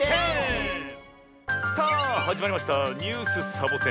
１０！さあはじまりました「ニュースサボ１０」。